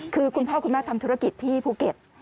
คือคุณพ่อคุณแม่ทำธุรกิจที่ภูเก็ต